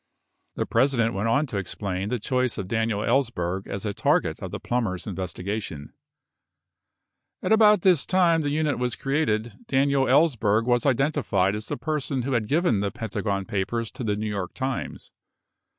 91 The President went on to explain the choice of Daniel Ellsberg as a target of the Plumbers' investigation : At about this time the unit was created, Daniel Ellsberg was identified as the person who had given the Pentagon Papers to the New York Times.